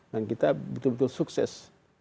dan kita betul betul sukses